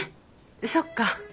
そっか。